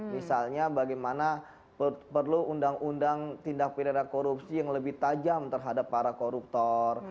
misalnya bagaimana perlu undang undang tindak pidana korupsi yang lebih tajam terhadap para koruptor